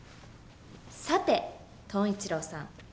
さてトン一郎さん